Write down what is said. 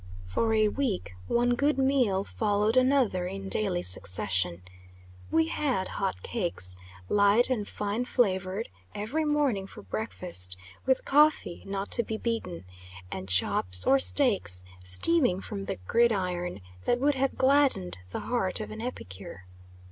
For a week, one good meal followed another in daily succession. We had hot cakes, light and fine flavored, every morning for breakfast, with coffee not to be beaten and chops or steaks steaming from the gridiron, that would have gladdened the heart of an epicure.